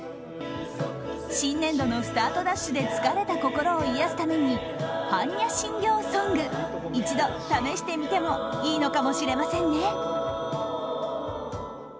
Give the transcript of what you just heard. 新年度のスタートダッシュで疲れた心を癒やすために般若心経ソング一度、試してみてもいいのかもしれませんね。